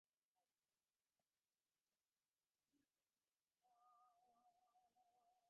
তিনি মার্কিন যুক্তরাষ্ট্রের ইতিহাসে প্রথম কোনো নারী অনশনকারী হিসেবে গণ্য হন।